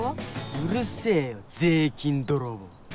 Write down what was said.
うるせぇよ税金泥棒。